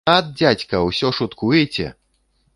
Ат, дзядзька, усё шуткуеце!